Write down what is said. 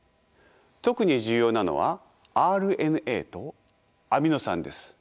特に重要なのはＲＮＡとアミノ酸です。